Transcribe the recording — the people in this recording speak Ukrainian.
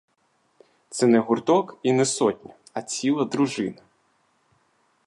Це не гурток, і не сотня, а ціла дружина.